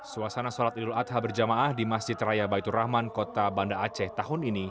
suasana sholat idul adha berjamaah di masjid raya baitur rahman kota banda aceh tahun ini